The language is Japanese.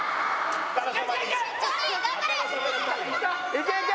いけいけ！